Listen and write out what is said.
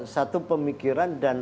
satu pemikiran dan